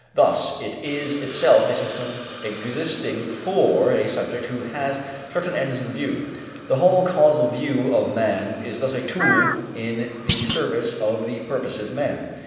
Thus it is itself a system existing for a subject who has certain ends in view. The whole causal view of man is thus a tool in the service of the purposive man.